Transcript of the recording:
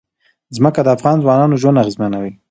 ځمکه د افغانانو ژوند اغېزمن کوي.